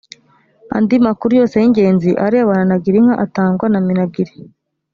andi makuru yose y’ ingenzi arebana na girinka atangwa na minagri